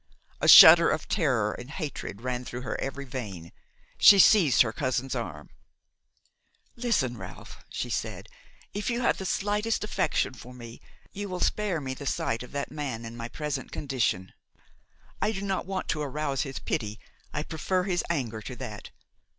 A shudder of terror and hatred ran through her every vein. She seized her cousin's arm. "Listen, Ralph," she said; "if you have the slightest affection for me, you will spare me the sight of that man in my present condition. I do not want to arouse his pity, I prefer his anger to that.